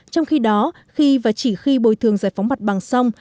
trong khi đó khi và chỉ khi bồi thường giải phóng mặt bằng xong